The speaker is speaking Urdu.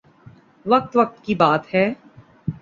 وقت وقت کی بات ہے